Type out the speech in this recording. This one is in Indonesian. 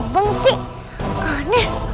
enggak kok bisa terbang sih